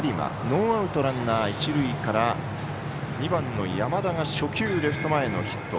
ノーアウト、ランナー、一塁から２番の山田が初球、レフト前のヒット。